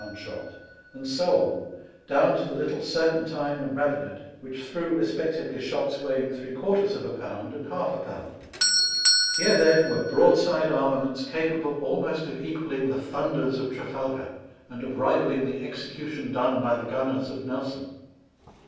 shot, and so on, down to the SOO 8F ANISE ARMADA. little Berpentine and rabenet, which threw respectively shots weighing three quarters of a pound and half a pound. Here, then, were broadside armaments capable almost of equalling the thunders of Trafalgar and of rivalling the execution done by the gunners of Nelson.